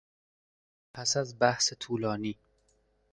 پس از بحث طولانی